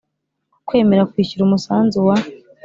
Kwemera kwishyura umusanzu wa